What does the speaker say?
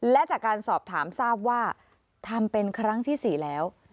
และจากการสอบถามทราบว่าทำเป็นครั้งที่๔แล้ว